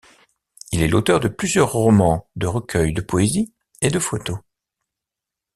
Il est l’auteur de plusieurs romans, de recueils de poésie et de photos.